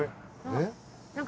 えっ？